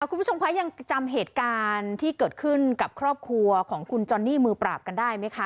คุณผู้ชมคะยังจำเหตุการณ์ที่เกิดขึ้นกับครอบครัวของคุณจอนนี่มือปราบกันได้ไหมคะ